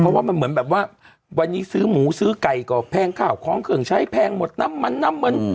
เพราะว่ามันเหมือนแบบว่าวันนี้ซื้อหมูซื้อไก่ก็แพงข่าวของเครื่องใช้แพงหมดน้ำมันน้ำมัน